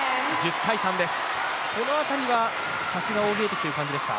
この辺りはさすが王ゲイ迪という感じですか。